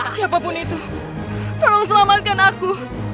siapapun itu tolong selamatkan aku